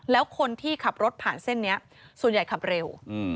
แล้วคนที่ขับรถผ่านเส้นนี้ส่วนใหญ่ขับเร็ว